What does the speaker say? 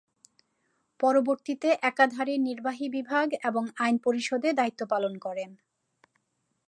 পরবর্তীতে একাধারে নির্বাহী বিভাগ এবং আইন পরিষদে দায়িত্ব পালন করেন।